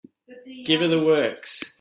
Give her the works.